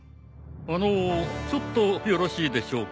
あのうちょっとよろしいでしょうか？